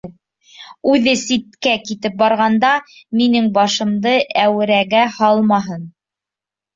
Үҙе ситкә китеп барғанда, минең башымды әүерәгә һалмаһын.